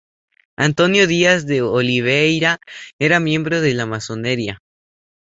António Dias de Oliveira era miembro de la Masonería.